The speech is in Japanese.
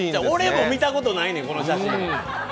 俺も見たことないねんこの写真。